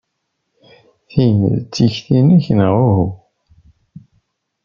Tin d takti-nnek, neɣ uhu?